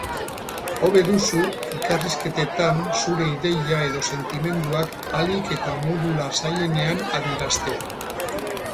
Hobe duzu elkarrizketetan zure ideia edo sentimenduak ahalik eta modu lasaienean adieraztea.